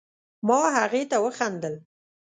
ما هغې ته وخندل